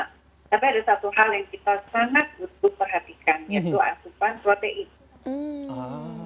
tapi ada satu hal yang kita sangat butuh perhatikan yaitu asupan protein